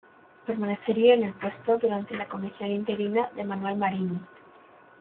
Permanecería en el puesto durante la comisión interina de Manuel Marín.